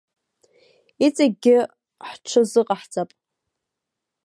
Иҵегьгьы ҳҽазыҟаҳҵап.